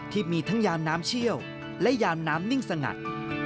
ที่มีทั้งยามน้ำเชี่ยวและยามน้ำนิ่งสงัด